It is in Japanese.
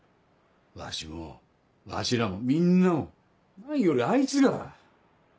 わしもわしらもみんなも何よりあいつが！